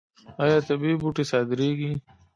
آیا طبیعي بوټي صادریږي؟